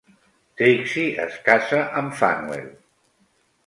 Trixie es casa amb Fanuel.